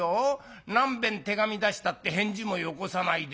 何べん手紙出したって返事もよこさないでさ」。